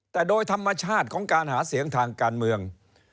แต่โดยธรรมชาติของการหาเสียงทางการเมือง